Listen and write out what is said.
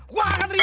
gue akan terima